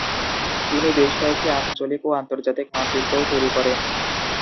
তিনি বেশ কয়েকটি আঞ্চলিক ও আন্তর্জাতিক মানচিত্রও তৈরি করেন।